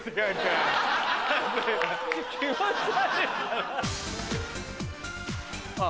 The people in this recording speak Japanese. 気持ち悪いから。